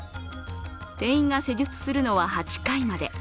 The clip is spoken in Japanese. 店員が施術するのは８回まで。